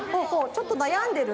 ちょっとなやんでる？